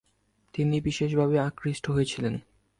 তিনি বিশেষভাবে আকৃষ্ট হয়েছিলেন।